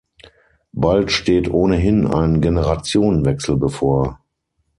Bald steht ohnehin ein Generationenwechsel bevor.